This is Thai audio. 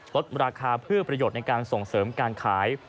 ลดราคาเพื่อประโยชน์ในการส่งเสริมการขาย